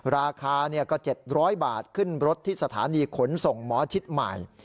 ราคาก็๗๐๐บาทขึ้นรถที่สถานีขนส่งหมอชิดใหม่